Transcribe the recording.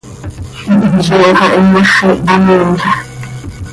Zó xah inyaxii hamiimlajc.